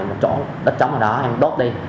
một chỗ đất trống ở đó em đốt đi